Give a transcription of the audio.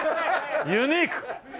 ユニーク！